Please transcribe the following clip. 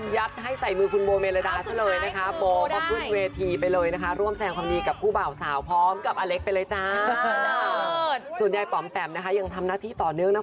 ยังทำหน้าที่ต่อเนื่อง